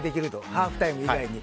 ハーフタイム以外に。